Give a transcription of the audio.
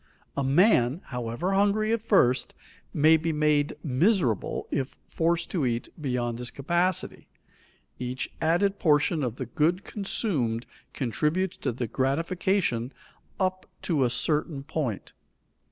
A man, however hungry at first, may be made miserable if forced to eat beyond his capacity. Each added portion of the good consumed contributes to the gratification up to a certain point.